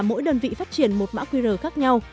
mỗi đơn vị phát triển một mã qr khác nhau